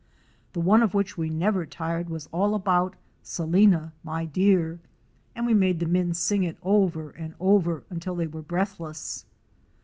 The one of which we never tired was all about "Salina — mya dear,' and we made the men sing it over and over until they were breathless.